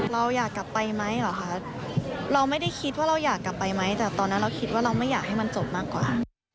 เราอยากกลับไปไหมเหรอคะเราไม่ได้คิดว่าเราอยากกลับไปไหมแต่ตอนนั้นเราคิดว่าเราไม่อยากให้มันจบมากกว่า